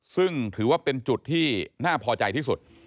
ซึ่งถือว่าเป็นจุดที่น่าพอใจที่สุด